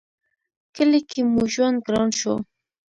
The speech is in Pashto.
کلي کې مو ژوند گران شو